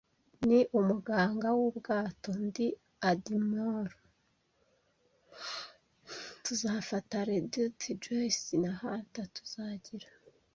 ni umuganga wubwato; Ndi admiral. Tuzafata Redruth, Joyce, na Hunter. Tuzagira